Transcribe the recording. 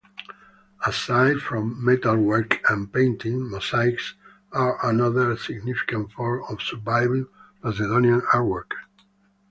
Aside from metalwork and painting, mosaics are another significant form of surviving Macedonian artwork.